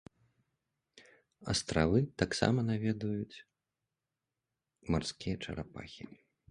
Астравы таксама наведваюць марскія чарапахі.